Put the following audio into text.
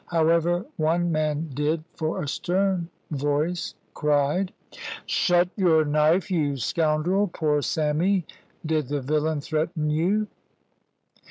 However, one man did, for a stern voice cried "Shut your knife, you scoundrel! Poor Sammy, did the villain threaten you?"